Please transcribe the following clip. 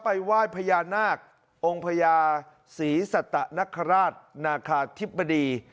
ไปไหว้พญานาคองค์พญาสีสตนคราศนคทิปดี